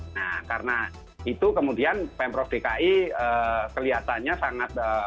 nah karena itu kemudian pm prof dki kelihatannya sangat